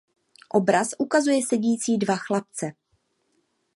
Obraz ukazuje sedící dva chlapce.